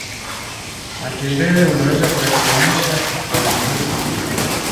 matembele unaweza ukayachemsha kwa mvuke